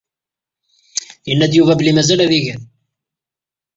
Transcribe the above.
Yenna-d Yuba belli mazal ad igen.